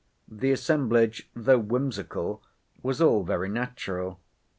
The assemblage, though whimsical, was all very natural.